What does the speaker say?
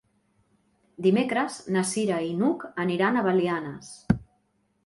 Dimecres na Cira i n'Hug aniran a Belianes.